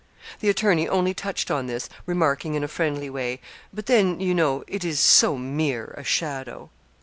The attorney only touched on this, remarking in a friendly way 'But then, you know, it is so mere a shadow.'